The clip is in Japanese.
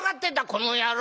この野郎」。